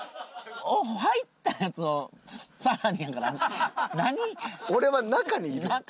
入ったやつをさらにやからな。俺は中にいるん？